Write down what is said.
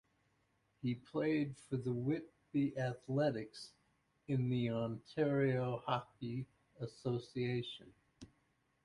He played for the Whitby Athletics in the Ontario Hockey Association.